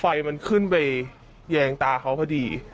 ไฟมันขึ้นไปแยงตาเขาพอดี